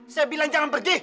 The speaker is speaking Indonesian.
saya bilang jangan pergi